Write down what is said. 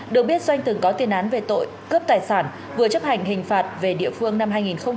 được biết doanh từng có tiền án về tội cướp tài sản vừa chấp hành hình phạt về địa phương năm hai nghìn một mươi ba